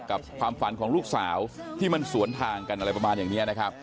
กับความฝันของลูกสาวที่มันสวนทางกันอะไรประมาณอย่างนี้นะครับ